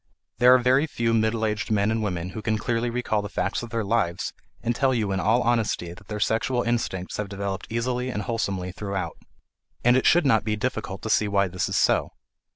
There are very few middle aged men and women who can clearly recall the facts of their lives and tell you in all honesty that their sexual instincts have developed easily and wholesomely throughout. And it should not be difficult to see why this is so.